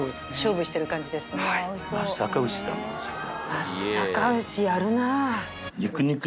松阪牛やるな。